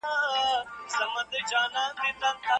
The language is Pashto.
په ټولنه کې نومیالي لیکوالان مختلف موقفونه لري.